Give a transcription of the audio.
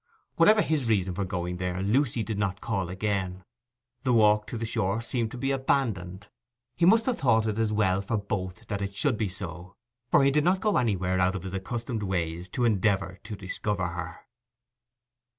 Whatever his reason in going there, Lucy did not call again: the walk to the shore seemed to be abandoned: he must have thought it as well for both that it should be so, for he did not go anywhere out of his accustomed ways to endeavour to discover her.